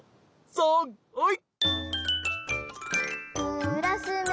さんはい！